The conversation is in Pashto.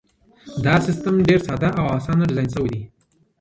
دا سیستم ډېر ساده او اسانه ډیزاین سوی دی.